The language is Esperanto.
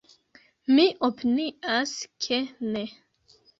Mi opinias ke ne.